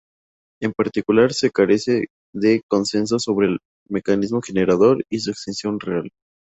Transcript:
En particular se carece de consenso sobre el mecanismo generador y su extensión real.